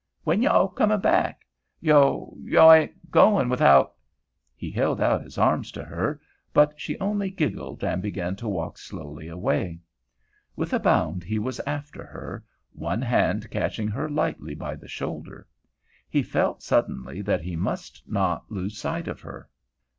"When yo' comin' back? Yo'—yo' ain' goin' without——" He held out his arms to her, but she only giggled and began to walk slowly away. With a bound he was after her, one hand catching her lightly by the shoulder. He felt suddenly that he must not lose sight of her.